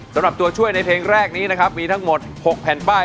สำหรับตัวช่วยในเพลงแรกนี้นะครับมีทั้งหมด๖แผ่นป้าย